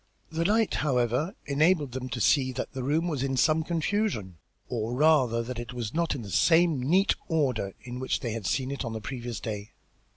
This light, however, enabled them to see that the room was in some confusion, or rather, that it was not in the same neat order in which they had seen it on the previous day.